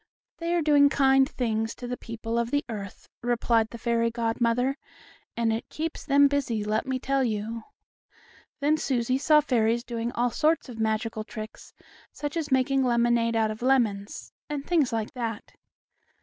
"They are doing kind things to the people of the earth," replied the fairy godmother, "and it keeps them busy, let me tell you." Then Susie saw fairies doing all sorts of magical tricks, such as making lemonade out of lemons, and things like that.